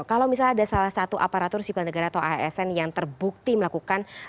kalau misalnya ada salah satu aparatur sipil negara atau asn yang terbukti melakukan